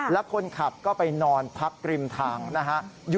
แล้วคนขับก็ไปนอนพักริมทางนะฮะ